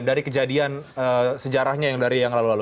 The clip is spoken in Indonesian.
dari kejadian sejarahnya yang dari yang lalu lalu